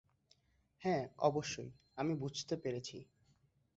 হ্যাঁ অবশ্যই, আমি বুঝতে পেরেছি।